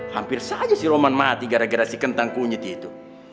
hampir saja si roman mati gara gara si kentang kunyit itu